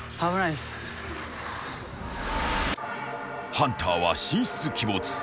［ハンターは神出鬼没］